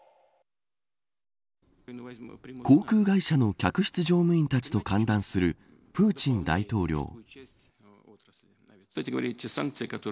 航空会社の客室乗務員たちと歓談するプーチン大統領。